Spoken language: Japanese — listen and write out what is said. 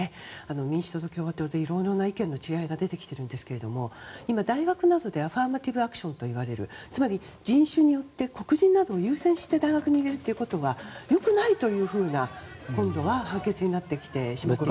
民主党と共和党で意見の違いは出てきていますが今、大学などでアファーマティブアクションといわれるつまり、人種によって黒人を優先して大学に入れることは良くないというような判決になってきています。